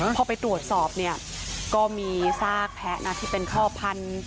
พอไปตรวจสอบเนี่ยก็มีซากแพ้นะที่เป็นข้อพันธุ